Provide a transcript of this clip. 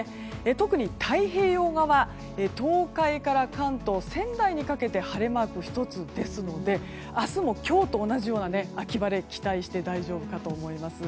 特に太平洋側東海から関東、仙台にかけて晴れマーク１つですので明日も今日と同じような秋晴れを期待して大丈夫かと思います。